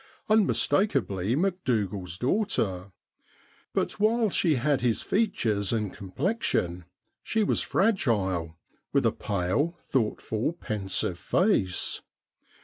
Unmistak ably Macdougal's daughter ; but, while she had his features and complexion, she was fragile, with a pale, thoughtful, pensive face.